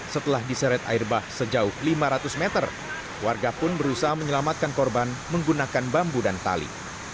setelah diseret air bah sejauh lima ratus meter warga pun berusaha menyelamatkan korban menggunakan bambu dan tali